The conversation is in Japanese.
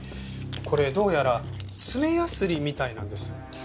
これどうやら爪ヤスリみたいなんです。